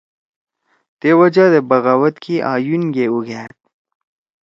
تے وجہ دے بغاوت کی آں یُون گے اُوگھأد۔